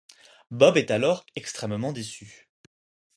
Bob est alors extrêmement déçu.